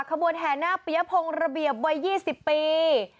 ขบวนแห่หน้าเปี๊ยะพงระเบียบวัย๒๐ปี